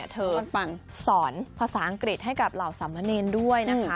เธอฟังสอนภาษาอังกฤษให้กับเหล่าสามเณรด้วยนะคะ